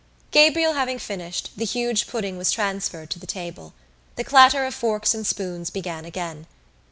Gabriel having finished, the huge pudding was transferred to the table. The clatter of forks and spoons began again.